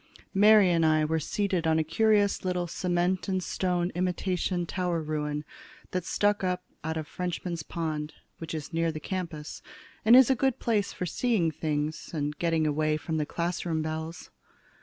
Mary and I were seated on a curious little cement and stone imitation tower ruin that stuck up out of Frenchman's Pond, which is near the campus, and is a good place for seeing things and getting away from the classroom bells.